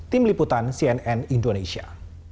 tim liputan cnn indonesia